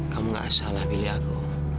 kamu gak salah pilih aku